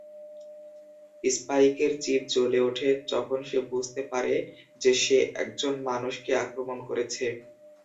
স্পাইকের chip জ্বলে ওঠে যখন সে বুঝতে পারে যে সে একজন মানুষকে আক্রমণ করেছে।